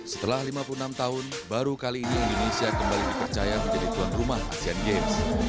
setelah lima puluh enam tahun baru kali ini indonesia kembali dipercaya menjadi tuan rumah asean games